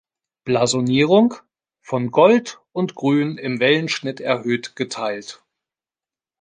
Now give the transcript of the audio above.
Blasonierung: „Von Gold und Grün im Wellenschnitt erhöht geteilt.